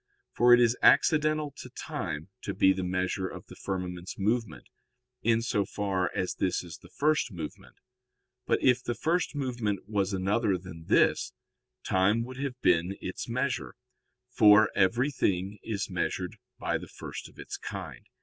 For it is accidental to time to be the measure of the firmament's movement, in so far as this is the first movement. But if the first movement was another than this, time would have been its measure, for everything is measured by the first of its kind.